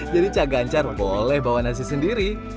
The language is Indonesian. jadi cak gancar boleh bawa nasi sendiri